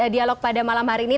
dialog pada malam hari ini